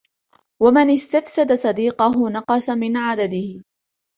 وَمَنْ اسْتَفْسَدَ صَدِيقَهُ نَقَصَ مِنْ عَدَدِهِ